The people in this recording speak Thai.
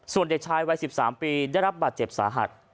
ส่วนเด็กชายวัย๑๓ปีได้รับบาดเจ็บสาหัส